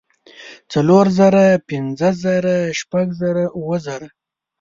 څلور زره پنځۀ زره شپږ زره اووه زره